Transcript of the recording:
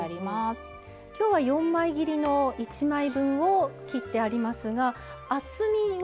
今日は４枚切りの１枚分を切ってありますが厚みは。